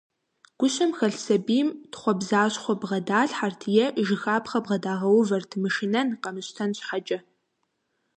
Гущэм хэлъ сэбийм, тхъуэбзащхъуэ бгъэдалъхьэрт, е жыхапхъэ бгъэдагъэувэрт мышынэн, къэмыщтэн щхьэкӏэ.